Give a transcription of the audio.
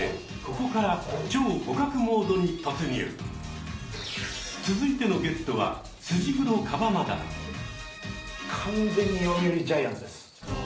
ここからチョウ捕獲モードにとつにゅう！続いてのゲットは完全に読売ジャイアンツです。